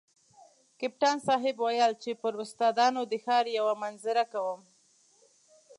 کپتان صاحب ویل چې پر استادانو د ښار یوه منظره کوم.